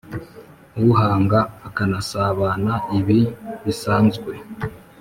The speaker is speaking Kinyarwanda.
uhanga akanasabana ibi bisanzwe